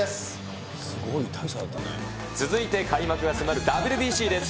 続いて開幕が迫るＷＢＣです。